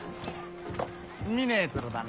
見ねえ面だな。